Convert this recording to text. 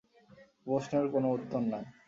এ প্রশ্নের কোন উত্তর নাই।